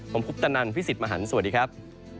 ผมคุปตะนันพี่สิทธิ์มหันฯสวัสดีครับ